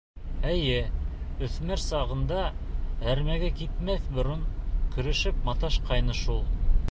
Эйе, үҫмер сағында, әрмегә китмәҫ борон көрәшеп маташҡайны шул.